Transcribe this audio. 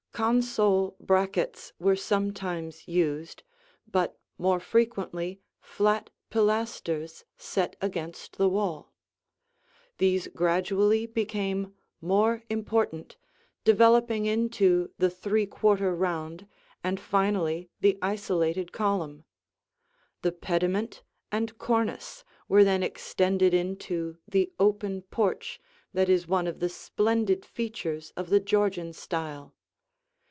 Console brackets were sometimes used but more frequently flat pilasters set against the wall. These gradually became more important, developing into the three quarter round and finally the isolated column. The pediment and cornice were then extended into the open porch that is one of the splendid features of the Georgian style.